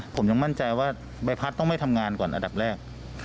ผมยังมั่นใจว่าใบพัดต้องไม่ทำงานก่อนอันดับแรก